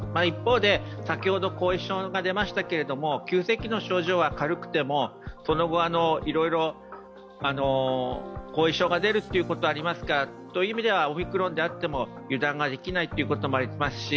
一方で先ほど後遺症が出ましたけれども、急性期の症状は軽くてもその後、いろいろ後遺症が出ることがありますから、オミクロンであっても油断ができないということもあります